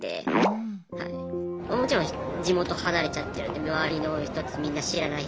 もちろん地元離れちゃってるんで周りの人たちみんな知らない人。